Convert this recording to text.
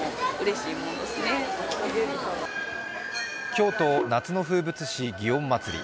京都夏の風物詩、祇園祭。